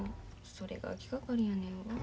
それが気がかりやねんな。